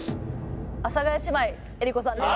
阿佐ヶ谷姉妹江里子さんです。